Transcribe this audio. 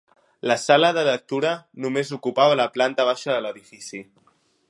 La sala de lectura només ocupava la planta baixa de l'edifici.